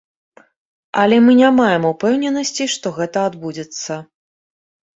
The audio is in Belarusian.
Але мы не маем упэўненасці, што гэта адбудзецца.